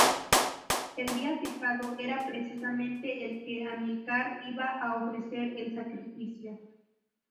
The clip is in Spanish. El día fijado era precisamente el que Amílcar iba a ofrecer el sacrificio.